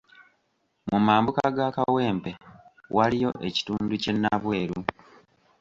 Mu mambuka ga Kawempe waliyo ekitundu kye Nabweru.